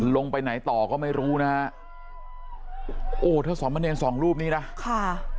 ลงไปไหนต่อก็ไม่รู้นะฮะโอ้โหถ้าสมเนรสองรูปนี้นะค่ะ